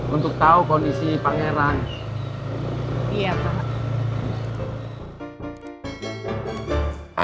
untuk tahu kondisi pangeran